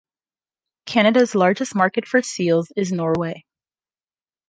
Canada's largest market for seals is Norway.